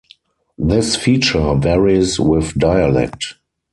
This feature varies with dialect.